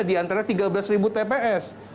di antara tiga belas ribu tps